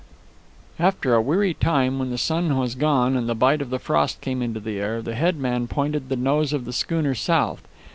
"After a weary time, when the sun was gone and the bite of the frost come into the air, the head man pointed the nose of the schooner south.